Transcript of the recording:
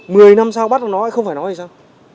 mười năm sau bắt nó nói không phải nói thì sao